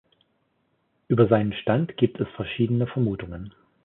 Über seinen Stand gibt es verschiedene Vermutungen.